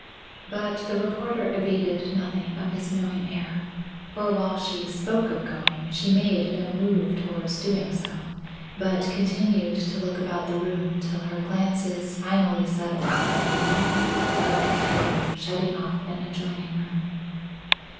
But the reporter abated nothing of his knowing air, for while she spoke of going, she made no move towards doing so, but continued to look about the room till her glances finally settled on a long dark curtain shutting off an adjoining room.